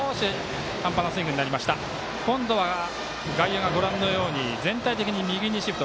今度は外野が全体的に右にシフト。